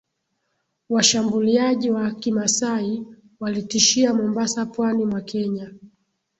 washambuliaji Wa kimasai walitishia Mombasa pwani mwa Kenya